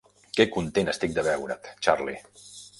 Que content estic de veure't, Charley!